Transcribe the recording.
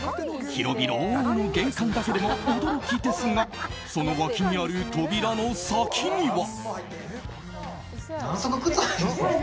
広々の玄関だけでも驚きですがその脇にある扉の先には。